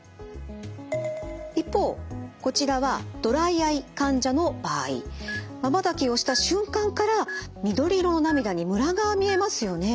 一方こちらはまばたきをした瞬間から緑色の涙にムラが見えますよね。